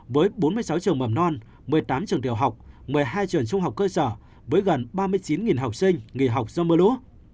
với bốn mươi sáu trường mầm non một mươi tám trường tiểu học một mươi hai trường trung học cơ sở với gần ba mươi chín học sinh nghỉ học do mưa lũ